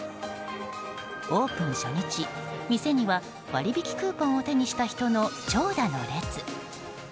オープン初日、店には割引クーポンを手にした人の長蛇の列。